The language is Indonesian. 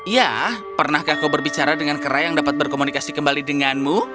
ya pernahkah kau berbicara dengan kerai yang dapat berkomunikasi kembali denganmu